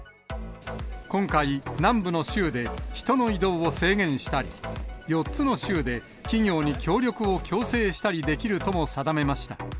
今回、南部の州で人の移動を制限したり、４つの州で企業に協力を強制したりできるとも定めました。